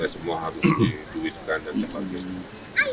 semua harus diduitkan dan sebagainya